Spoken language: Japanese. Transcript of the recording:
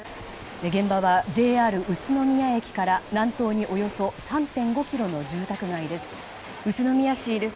現場はＪＲ宇都宮駅から南東におよそ３．５ｋｍの住宅街です。